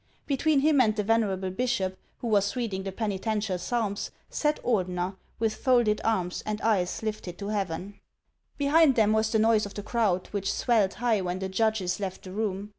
Between him and the venerable bishop, who was reading the penitential psalms, sat Ordener, with folded arms and eyes lifted to heaven. Behind them was the noise of the crowd, which swelled high when the judges left the room.